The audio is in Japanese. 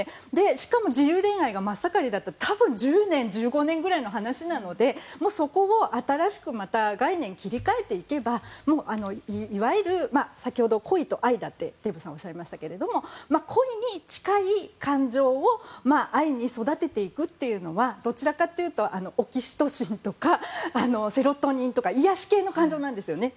しかも自由恋愛が真っ盛りだった多分１０年１５年ぐらいの話なので、そこを新しく概念を切り替えていけば恋と愛だってデーブさんおっしゃいましたが恋に近い感情を愛に育てていくというのはどちらかというとオキシトシンとかセロトニンとか癒やし系の感情なんですよね。